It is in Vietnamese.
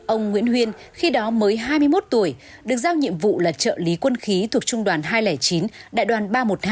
ông nguyễn huyên khi đó mới hai mươi một tuổi được giao nhiệm vụ là trợ lý quân khí thuộc trung đoàn hai trăm linh chín đại đoàn ba trăm một mươi hai